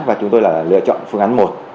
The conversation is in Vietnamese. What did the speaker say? và chúng tôi là lựa chọn phương án một